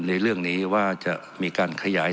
ในเรื่องนี้ว่าจะมีการขยาย